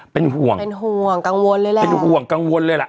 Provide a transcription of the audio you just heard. เป็นห่วงเป็นห่วงกังวลเลยแหละ